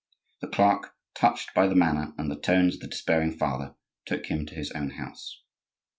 The clerk, touched by the manner and the tones of the despairing father, took him to his own house.